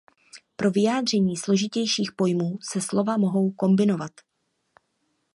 Pro vyjádření složitějších pojmů se slova mohou kombinovat.